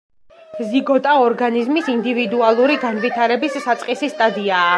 ზიგოტა ორგანიზმის ინდივიდუალური განვითარების საწყისი სტადიაა.